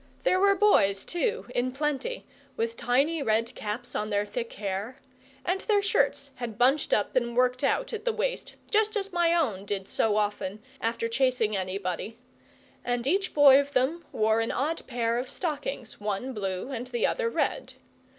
There were boys, too, in plenty, with tiny red caps on their thick hair; and their shirts had bunched up and worked out at the waist, just as my own did so often, after chasing anybody; and each boy of them wore an odd pair of stockings, one blue and the other red.